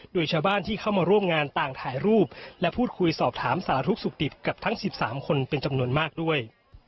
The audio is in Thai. โดยชาวบ้านที่เข้ามาร่วมงานต่างถ่ายรูปและพูดคุยสอบถามสารทุกข์สุขดิบกับทั้ง๑๓คนเป็นจำนวนมากด้วย